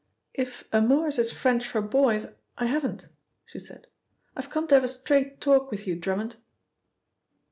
"If amours is French for boys, I haven't," she said. "I've come to have a straight talk with you, Drummond."